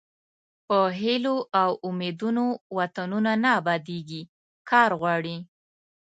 په هیلو او امیدونو وطنونه نه ابادیږي کار غواړي.